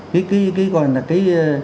cái gọi là cái